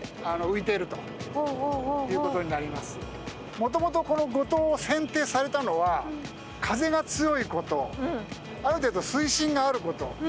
もともとこの五島選定されたのは風が強いことある程度水深があること